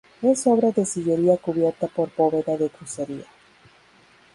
Es obra de sillería cubierta por bóveda de crucería.